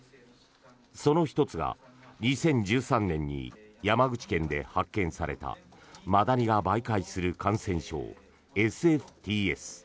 その１つが２０１３年に山口県で発見されたマダニが媒介する感染症ＳＦＴＳ